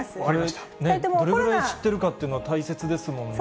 どれぐらい知っているかというのは大切ですもんね。